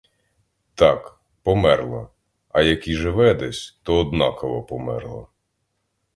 Так, померла, а як і живе десь, то однаково померла.